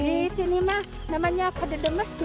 di sini mah namanya kade demes gitu ya